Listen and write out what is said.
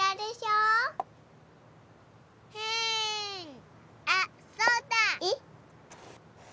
うんあっそうだ！えっ？